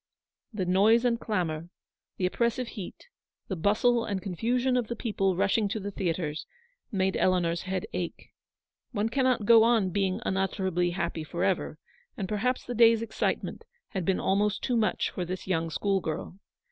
The noise and clamour, the oppressive heat, the bustle and confusion of the people rushing to the theatres, made Eleanor's head ache. One cannot go on being unutterably happy for ever, and perhaps the day's excitement had been almost too much for this young school girl.